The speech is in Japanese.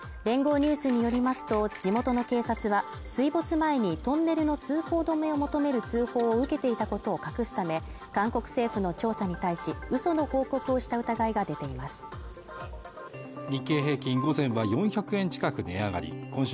ニュースによりますと地元の警察は水没前にトンネルの通行止めを求める通報を受けていたことを隠すため韓国政府の調査に対しうその報告をした疑いが颯という名の爽快緑茶！